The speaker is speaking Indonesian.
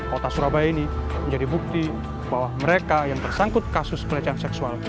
kota surabaya ini menjadi bukti bahwa mereka yang tersangkut kasus pelecehan seksual